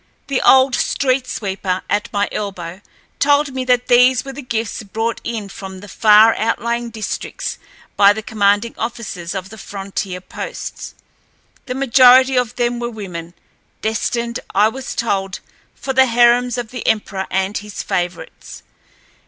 The old street sweeper at my elbow told me that these were the gifts brought in from the far outlying districts by the commanding officers of the frontier posts. The majority of them were women, destined, I was told, for the harems of the emperor and his favorites.